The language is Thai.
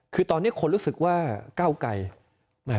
คือตอนนี้คนรู้สึกว่าเก้าไกร